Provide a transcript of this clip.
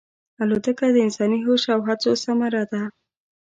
الوتکه د انساني هوش او هڅو ثمره ده.